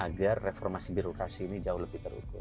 agar reformasi birokrasi ini jauh lebih terukur